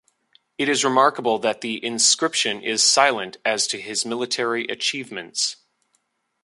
It is remarkable that the inscription is silent as to his military achievements.